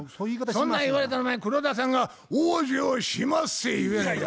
そんなん言われたらお前黒田さんが「往生しまっせ」言うやないか。